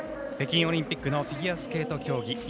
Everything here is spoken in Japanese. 北京オリンピックのフィギュアスケート競技。